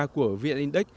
của vn index